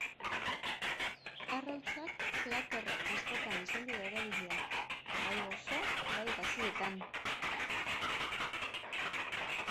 Arrautzak plater askotan izan dira erabiliak, bai gozo bai gazietan.